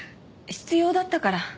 必要だったから。